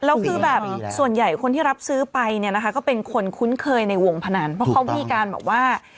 แล้วคือแบบส่วนใหญ่คนที่รับซื้อไปเนี่ยนะคะก็เป็นคนคุ้นเคยในวงพนันเพราะเขามีการแบบว่า